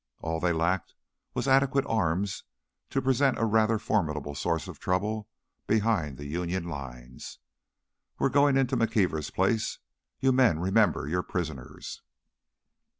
All they lacked was adequate arms to present a rather formidable source of trouble behind the Union lines. "We're goin' into the McKeever place. You men remember, you're prisoners!"